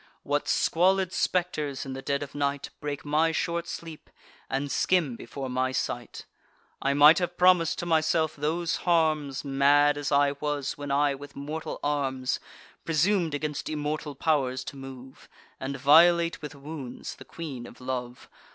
What squalid spectres, in the dead of night, Break my short sleep, and skim before my sight! I might have promis'd to myself those harms, Mad as I was, when I, with mortal arms, Presum'd against immortal pow'rs to move, And violate with wounds the Queen of Love.